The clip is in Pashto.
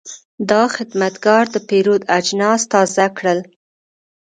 دا خدمتګر د پیرود اجناس تازه کړل.